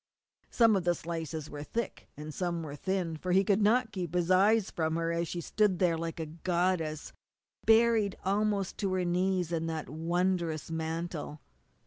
Some of the slices were thick, and some were thin, for he could not keep his eyes from her as she stood there like a goddess, buried almost to her knees in that wondrous mantle.